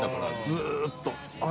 ずっと。